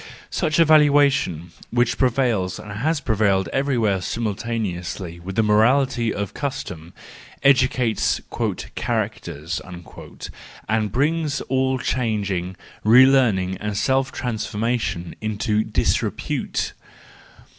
Such a valuation, which prevails and has prevailed everywhere simultaneously with the morality of custom, educates " characters," and brings all changing, re learning, and self transforming into disrepute